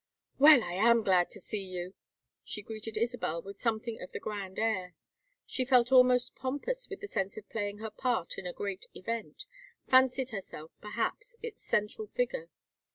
"Well, I am glad to see you!" She greeted Isabel with something of the grand air. She felt almost pompous with the sense of playing her part in a great event, fancied herself, perhaps, its central figure.